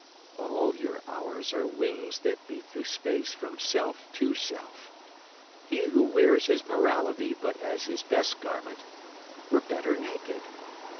All your hours are wings that beat through space from self to self. He who wears his morality but as his best garment were better naked.